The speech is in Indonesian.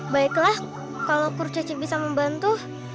baiklah kalau kru caci bisa membantu